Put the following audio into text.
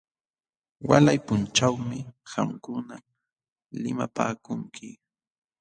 Walay punchawmi qamkuna limapaakunki.